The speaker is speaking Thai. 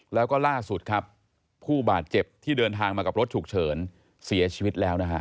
แล้วก็ล่าสุดครับผู้บาดเจ็บที่เดินทางมากับรถฉุกเฉินเสียชีวิตแล้วนะฮะ